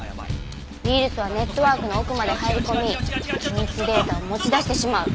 ウイルスはネットワークの奥まで入り込み機密データを持ち出してしまう。